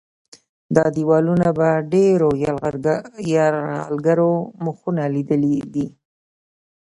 دا دیوالونه د ډېرو یرغلګرو مخونه لیدلي دي.